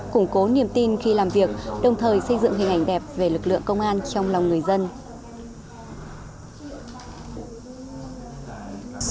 củng cố niềm tin khi làm việc đồng thời xây dựng hình ảnh đẹp về lực lượng công an trong lòng người dân